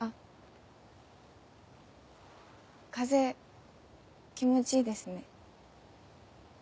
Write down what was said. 風気持ちいいですね。